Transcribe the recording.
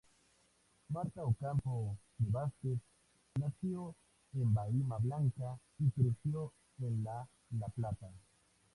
Marta Ocampo de Vásquez nació en Bahía Blanca y creció en la La Plata.